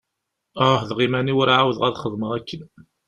Ԑuhdeɣ iman-iw ur εawdeɣ ad xedmeɣ akken.